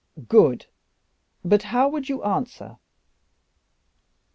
"Good; but how would you answer?"